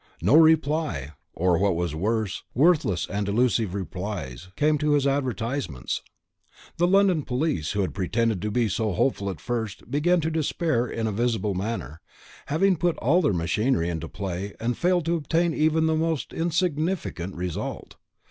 No reply, or, what was worse, worthless and delusive replies, came to his advertisements. The London police, who had pretended to be so hopeful at first, began to despair in a visible manner, having put all their machinery into play, and failed to obtain even the most insignificant result.